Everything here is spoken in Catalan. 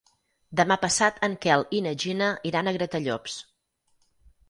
Demà passat en Quel i na Gina iran a Gratallops.